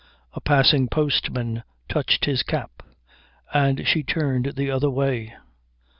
A passing postman touched his cap, and she turned the other way.